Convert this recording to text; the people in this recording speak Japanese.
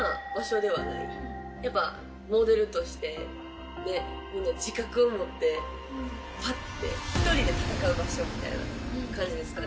やっぱモデルとしてみんな自覚を持ってパッて１人で戦う場所みたいな感じですかね